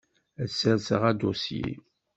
Ad sserseɣ adusyi.